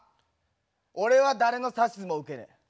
俺は誰の指図も受けねえ。